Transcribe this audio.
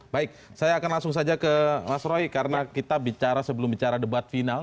baik saya akan langsung saja ke mas roy karena kita bicara sebelum bicara debat final